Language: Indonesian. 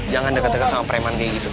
jangan deg deg sama preman kayak gitu oke